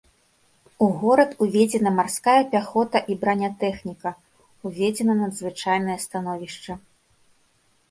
У горад уведзена марская пяхота і бранятэхніка, уведзена надзвычайнае становішча.